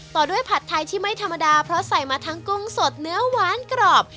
ต่อด้วยผัดไทยที่ไม่ธรรมดาเพราะใส่มาทั้งกุ้งสดเนื้อหวานกรอบ